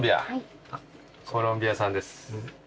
コロンビア産です。